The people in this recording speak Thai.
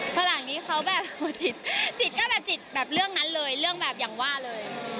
ฝรั่งนี้เขาแบบจิตจิตก็แบบจิตแบบเรื่องนั้นเลยเรื่องแบบอย่างว่าเลย